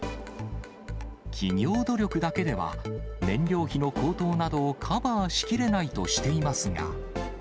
企業努力だけでは燃料費の高騰などをカバーしきれないとしていますが。